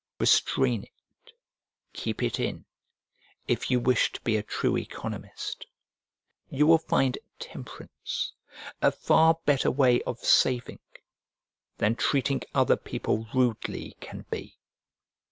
Restrain it, keep it in, if you wish to be true economist. You will find temperance a far better way of saving than treating other people rudely can be.